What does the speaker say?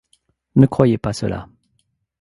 Ne croyez pas cela.